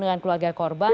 dengan keluarga korban